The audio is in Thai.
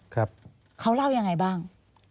ครับเขาเล่ายังไงบ้าง